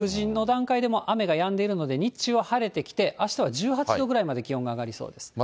そして関東は朝以降、６時の段階で雨がやんでいるので、日中は晴れてきて、あしたは１８度ぐらいまで気温が上がりそうです。